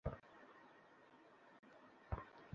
আর কোথা থেকে এসেছেন?